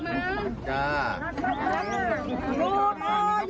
อยู่ต่ออยู่ต่อ